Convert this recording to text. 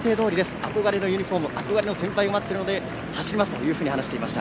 憧れのユニホーム憧れの先輩が待っているので走りますと話していました。